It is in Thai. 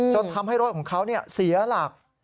จนทำให้รถของเขาเสียหลัก